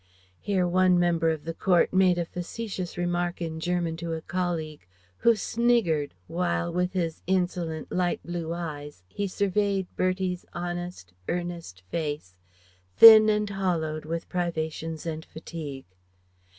Here one member of the court made a facetious remark in German to a colleague who sniggered, while, with his insolent light blue eyes, he surveyed Bertie's honest, earnest face, thin and hollowed with privations and fatigue....